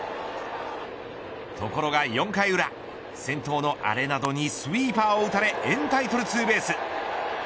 ところが４回裏先頭のアレナドにスイーパーを打たれエンタイトルツーベース。